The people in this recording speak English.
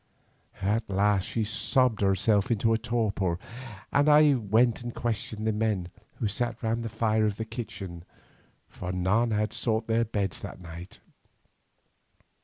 At last she sobbed herself into a torpor, and I went and questioned the men who sat round the fire in the kitchen, for none sought their beds that night.